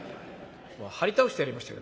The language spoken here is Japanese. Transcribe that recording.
はり倒してやりましたよ